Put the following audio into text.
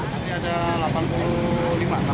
hari ini ada delapan puluh lima